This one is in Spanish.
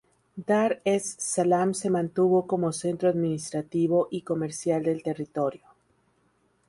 Dar es-Salam se mantuvo como centro administrativo y comercial del territorio.